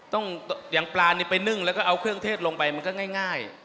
อย่างปลานี่ไปนึ่งแล้วก็เอาเครื่องเทศลงไปมันก็ง่าย